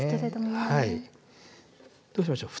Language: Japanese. どうしましょう。